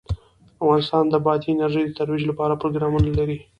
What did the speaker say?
افغانستان د بادي انرژي د ترویج لپاره پروګرامونه لري.